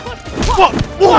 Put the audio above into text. itu perempuan mau diapain ya